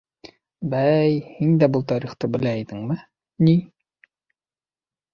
— Бәй, һин дә был тарихты белә инеңме ни?